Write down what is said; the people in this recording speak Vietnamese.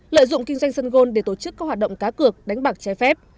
lợi dụng kinh doanh sân gôn để tổ chức các hoạt động cá cược đánh bạc trái phép